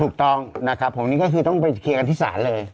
ถูกต้องนะครับผมนี่ก็คือต้องไปเคลียร์กันที่ศาลเลย